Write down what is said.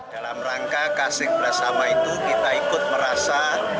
dalam rangka kasih bersama itu kita ikut merasa